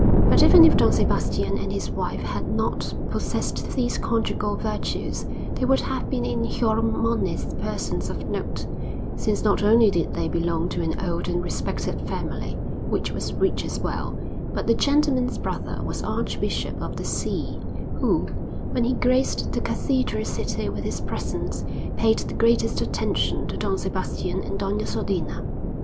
But even if Don Sebastian and his wife had not possessed these conjugal virtues, they would have been in Xiormonez persons of note, since not only did they belong to an old and respected family, which was rich as well, but the gentleman's brother was archbishop of the See, who, when he graced the cathedral city with his presence, paid the greatest attention to Don Sebastian and Doña Sodina.